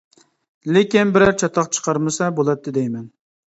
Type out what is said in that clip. ! لېكىن بىرەر چاتاق چىقارمىسا بولاتتى دەيمەن؟ !